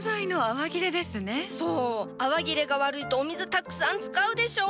泡切れが悪いとお水たくさん使うでしょ！？